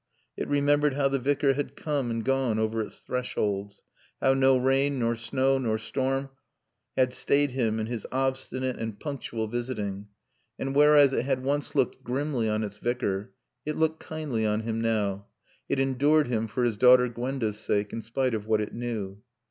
It remembered how the Vicar had come and gone over its thresholds, how no rain nor snow nor storm had stayed him in his obstinate and punctual visiting. And whereas it had once looked grimly on its Vicar, it looked kindly on him now. It endured him for his daughter Gwenda's sake, in spite of what it knew.